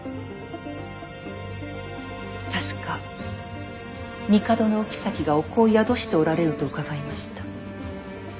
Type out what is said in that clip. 確か帝のお后が御子を宿しておられると伺いました。